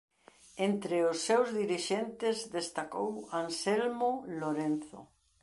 Entre os seus dirixentes destacou Anselmo Lorenzo.